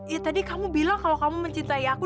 ya tadi kamu bilang kalau kamu mencintai aku